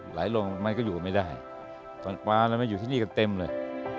ไหลลงมันก็อยู่ไม่ได้ตอนฟ้าแล้วไม่อยู่ที่นี่กันเต็มเลย